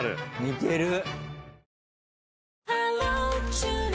似てる。